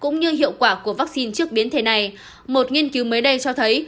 nghiên cứu mới đây cho thấy